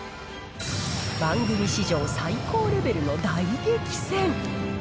番組史上最高レベルの大激戦。